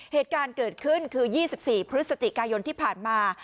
เหตุการณ์เกิดขึ้นคือ๒๔พฤศจิกายนที่ผ่านมา